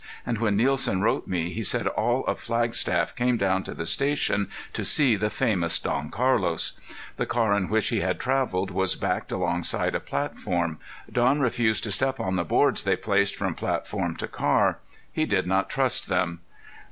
And when Nielsen wrote me he said all of Flagstaff came down to the station to see the famous Don Carlos. The car in which he had traveled was backed alongside a platform. Don refused to step on the boards they placed from platform to car. He did not trust them.